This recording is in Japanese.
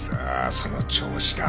その調子だ。